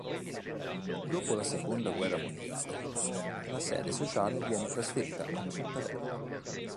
Dopo la seconda guerra mondiale, la sede sociale viene trasferita a Cittadella.